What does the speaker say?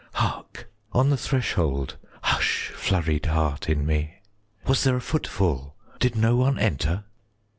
Hark! On the threshold (Hush, flurried heart in me!), Was there a footfall? 15 Did no one enter?